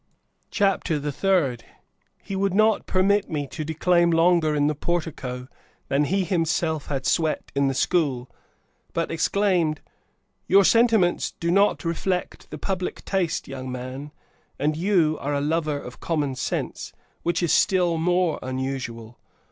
CHAPTER THE THIRD. He would not permit me to declaim longer in the portico than he himself had sweat in the school, but exclaimed, "Your sentiments do not reflect the public taste, young man, and you are a lover of common sense, which is still more unusual.